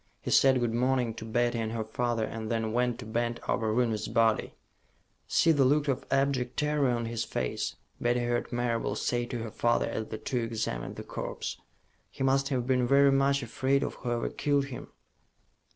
He said good morning to Betty and her father, and then went to bend over Rooney's body. "See the look of abject terror on his face," Betty heard Marable say to her father as the two examined the corpse. "He must have been very much afraid of whoever killed him."